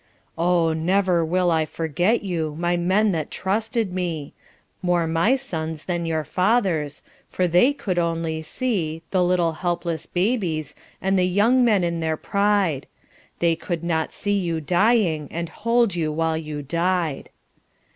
Oh, never will I forget you, My men that trusted me. More my sons than your fathers'. For they could only see The little helpless babies And the young men in their pride. They could not see you dying. And hold you while you died.